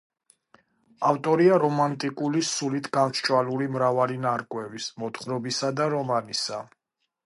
ავტორია რომანტიკული სულით გამსჭვალული მრავალი ნარკვევის, მოთხრობისა და რომანისა.